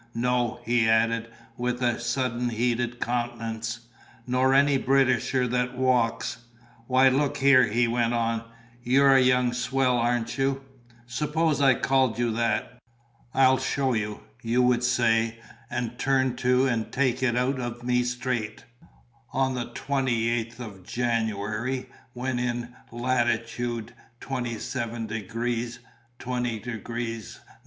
No," he added, with a sudden heated countenance, "nor any Britisher that walks! Why, look here," he went on, "you're a young swell, aren't you? Suppose I called you that! 'I'll show you,' you would say, and turn to and take it out of me straight." On the 28th of January, when in lat. 27 degrees 20' N.